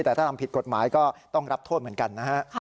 แต่ถ้าทำผิดกฎหมายก็ต้องรับโทษเหมือนกันนะฮะ